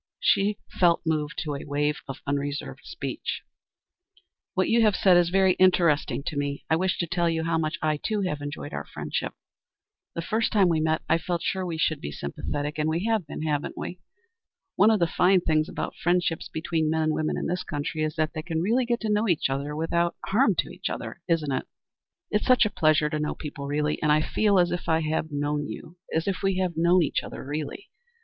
She felt moved to a wave of unreserved speech. "What you have said is very interesting to me. I wish to tell you how much I, too, have enjoyed our friendship. The first time we met I felt sure we should be sympathetic, and we have been, haven't we? One of the fine things about friendships between men and women in this country is that they can really get to know each other without er harm to either. Isn't it? It's such a pleasure to know people really, and I feel as if I had known you, as if we had known each other really.